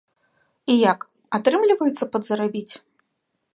І як, атрымліваецца падзарабіць?